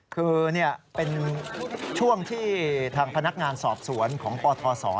คือเป็นช่วงที่ทางพนักงานสอบสวนของปทศ